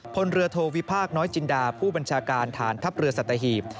พลเรือโทวิพากษน้อยจินดาผู้บัญชาการฐานทัพเรือสัตหีบ